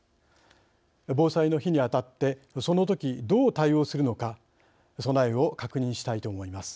防災の日に当たってその時、どう対応するのか備えを確認したいと思います。